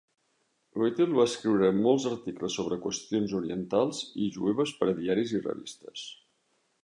Gottheil va escriure molts articles sobre qüestions orientals i jueves per a diaris i revistes.